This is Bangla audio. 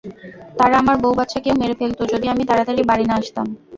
তারা আমার বউ বাচ্চাকেও মেরে ফেলত যদি আমি তাড়াতাড়ি বাড়ি না আসতাম।